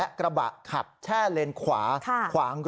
เกิดเหตุการณ์ระหว่าง